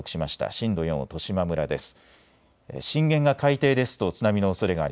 震度４を十島村です。